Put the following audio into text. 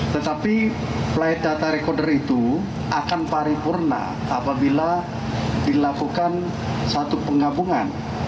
tetapi flight data recorder itu akan paripurna apabila dilakukan satu penggabungan